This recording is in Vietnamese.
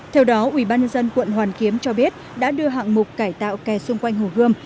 theo đó ubnd quận hoàn kiếm cho biết đã đưa hạng mục cải tạo kè xung quanh hồ gươm